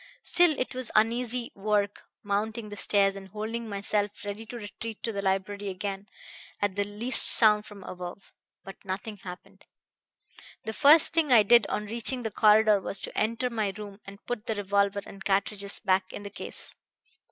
Still, it was uneasy work mounting the stairs and holding myself ready to retreat to the library again at the least sound from above. But nothing happened. "The first thing I did on reaching the corridor was to enter my room and put the revolver and cartridges back in the case.